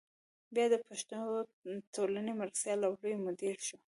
بیا د پښتو ټولنې مرستیال او لوی مدیر شو.